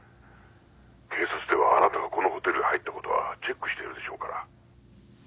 警察ではあなたがこのホテルへ入ったことはチェックしてるでしょうから。